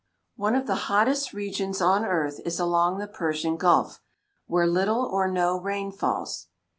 = One of the hottest regions on earth is along the Persian Gulf, where little or no rain falls.